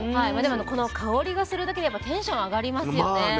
でもこの香りがするだけでやっぱテンション上がりますよね。